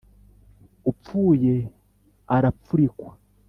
Upfuye arapfurikwa.